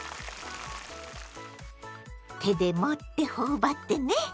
手で持って頬張ってね！